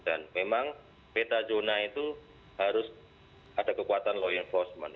dan memang peta zona itu harus ada kekuatan law enforcement